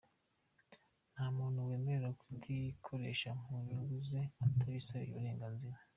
Ntamuntu wemerewe kutikoresha mu nyungu ze atabisabiye uburenganzira.